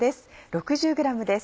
６０ｇです。